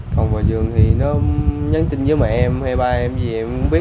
còng vào giường thì nó nhắn tin với mẹ em hay ba em gì em cũng biết